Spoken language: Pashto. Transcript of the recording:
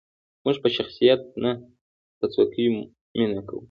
موږ په شخصیت نه، په څوکې مینه کوو.